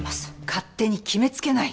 勝手に決めつけない。